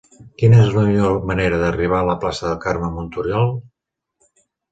Quina és la millor manera d'arribar a la plaça de Carme Montoriol?